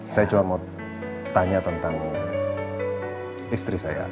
saya cuma mau tanya tentang istri saya